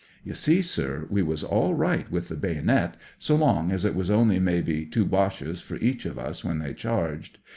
" You see, sir, we was all right with the baynit, so long as it was only maybe two Boches for each of us when they charged.